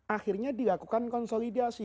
akhirnya dilakukan konsolidasi